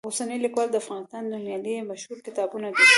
اوسنی لیکوال، د افغانستان نومیالي یې مشهور کتابونه دي.